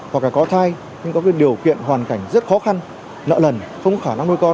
hoặc là có thai nhưng có điều kiện hoàn cảnh rất khó khăn nợ lần không có khả năng nuôi con